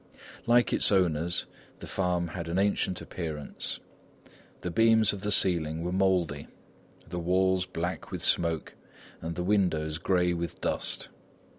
Like its owners, the farm had an ancient appearance. The beams of the ceiling were mouldy, the walls black with smoke and the windows grey with dust.